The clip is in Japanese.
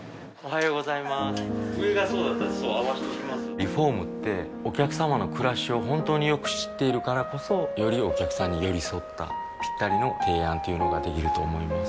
リフォームってお客様の暮らしを本当によく知っているからこそよりお客様に寄り添ったぴったりの提案というのができると思います